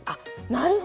なるほど。